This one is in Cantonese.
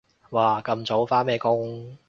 哇咁早？返咩工？